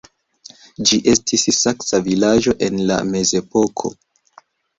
Ĝi estis saksa vilaĝo en la mezepoko.